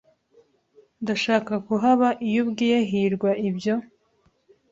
Ndashaka kuhaba iyo ubwiye hirwa ibyo.